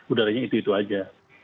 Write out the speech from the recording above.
udaranya itu itu aja